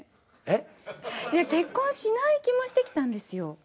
えっ？結婚しない気もしてきたんですよ。